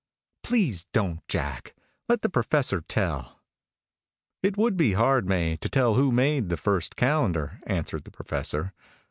"Please don't, Jack. Let the Professor tell." "It would be hard, May, to tell who made the first calendar," answered the Professor.